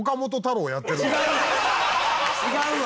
違うわ！